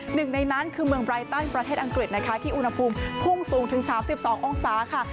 หนึ่งในนั้นคือเมืองไรตันประเทศอังกฤษนะคะที่อุณหภูมิพุ่งสูงถึง๓๒องศาค่ะ